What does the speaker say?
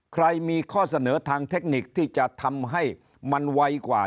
ใครมีข้อเสนอทางเทคนิคที่จะทำให้มันไวกว่า